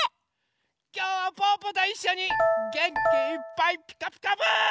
きょうはぽぅぽといっしょにげんきいっぱい「ピカピカブ！」。